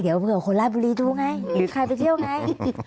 เดี๋ยวเผื่อคนราชบุรีดูไงหรือใครไปเที่ยวไง